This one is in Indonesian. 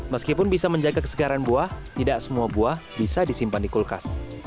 meskipun bisa menjaga kesegaran buah tidak semua buah bisa disimpan di kulkas